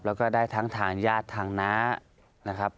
แล้วก็ได้ทั้งทางญาติทางน้านะครับ